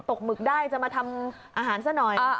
หมึกได้จะมาทำอาหารซะหน่อย